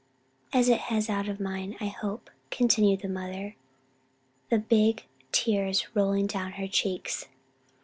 "As it has out of mine, I hope," continued the mother, the big tears rolling down her cheeks.